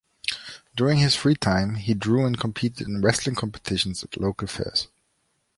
During his free time he drew and competed in wrestling competitions at local fairs.